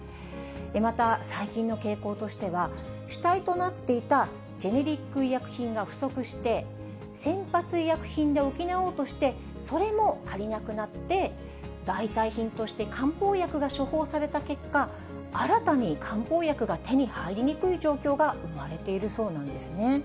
また最近の傾向としては、主体となっていたジェネリック医薬品が不足して、先発医薬品で補おうとして、それも足りなくなって、代替品として漢方薬が処方された結果、新たに漢方薬が手に入りにくい状況が生まれているそうなんですね。